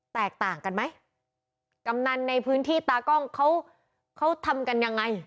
แตกต่างกันไหมกำนันในพื้นที่ตากล้องเขาเขาทำกันยังไง